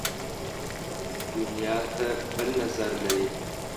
ویده دنیا ته بل نظر لري